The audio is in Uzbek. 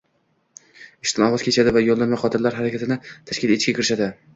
Ishdan voz kechadi va yollanma qotillar harakatini tashkil etishga kirishadi.